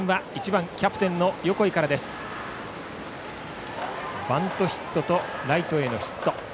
バントヒットとライトへのヒット。